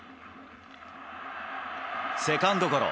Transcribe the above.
セカンドゴロ。